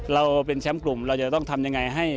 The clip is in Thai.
เราเป็นแชมป์กลุ่มเราจะต้องทำยังไงให้